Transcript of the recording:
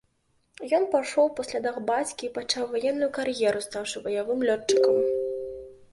Ён пайшоў па слядах бацькі і пачаў ваенную кар'еру, стаўшы баявым лётчыкам.